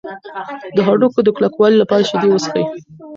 د هډوکو د کلکوالي لپاره شیدې وڅښئ.